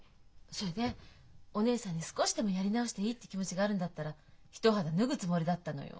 それでお義姉さんに少しでもやり直していいって気持ちがあるんだったら一肌脱ぐつもりだったのよ。